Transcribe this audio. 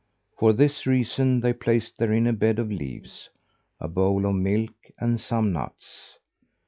For this reason they placed therein a bed of leaves, a bowl of milk and some nuts.